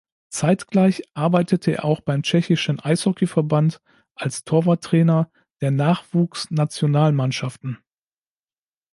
Zeitgleich arbeitete er auch beim Tschechischen Eishockeyverband als Torwarttrainer der Nachwuchsnationalmannschaften.